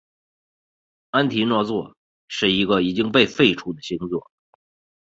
安提诺座是一个已经被废除的星座。